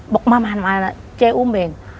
บอกมานะเจ๊อุ้มเอง